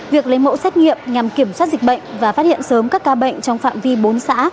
việc lấy mẫu xét nghiệm nhằm kiểm soát dịch bệnh và phát hiện sớm các ca bệnh trong phạm vi bốn xã